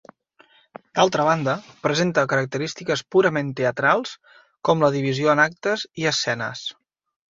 D'altra banda presenta característiques purament teatrals, com la divisió en actes i escenes.